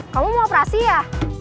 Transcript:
kamu mau operasi ya